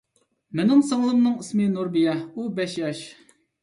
مېنىڭ سىڭلىمنىڭ ئىسمى نۇربىيە، ئۇ بەش ياش.